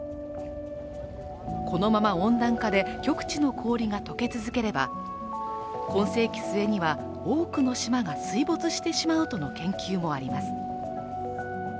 このまま温暖化で極地の氷が解け続ければ、今世紀末には多くの島が水没してしまうとの研究もあります。